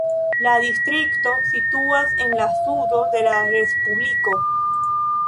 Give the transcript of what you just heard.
La distrikto situas en la sudo de la respubliko.